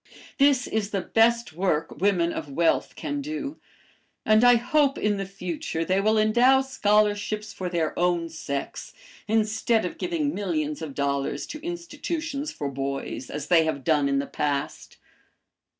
"This is the best work women of wealth can do, and I hope in the future they will endow scholarships for their own sex instead of giving millions of dollars to institutions for boys, as they have done in the past.